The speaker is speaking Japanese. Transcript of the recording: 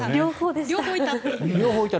両方いた。